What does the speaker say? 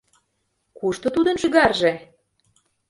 Кушто тудын шӱгарже?